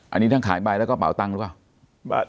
อันนี้ทั้งขายใบแล้วก็เป่าตังค์หรือเปล่า